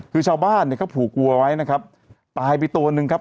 คือชาวบ้านเนี่ยเขาผูกวัวไว้นะครับตายไปตัวนึงครับ